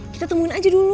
kita tungguin aja dulu